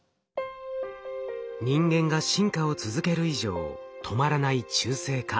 人間が進化を続ける以上止まらない中性化。